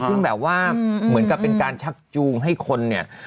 ซึ่งแบบว่าเหมือนกับเป็นการชักจูงให้คนเนี่ย